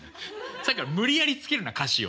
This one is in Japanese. さっきから無理やりつけるな歌詞を。